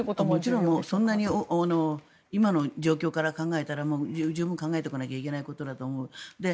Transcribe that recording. もちろんそんなに今の状況から考えたら十分考えておかないといけないことだと思う。